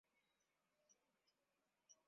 wakasadiki ya kwamba wewe ndiwe uliyenituma